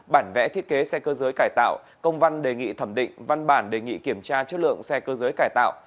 bản vẽ thiết kế xe cơ giới cải tạo công văn đề nghị thẩm định văn bản đề nghị kiểm tra chất lượng xe cơ giới cải tạo